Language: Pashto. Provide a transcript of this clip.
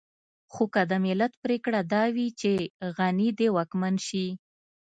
خو که د ملت پرېکړه دا وي چې غني دې واکمن شي.